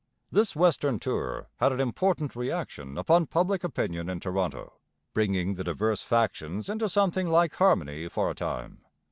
This western tour had an important reaction upon public opinion in Toronto, bringing the divers factions into something like harmony for a time.